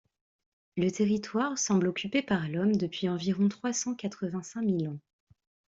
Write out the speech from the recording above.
Le territoire semble occupé par l'homme depuis environ trois cent quatre-vingt-cinq mille ans.